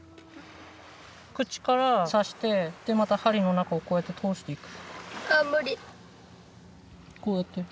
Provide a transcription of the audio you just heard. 口から刺してでまた針の中をこうやって通していく。